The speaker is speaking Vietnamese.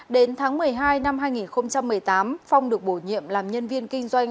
đến tháng một mươi hai năm hai nghìn một mươi tám phong được bổ nhiệm làm nhân viên kinh doanh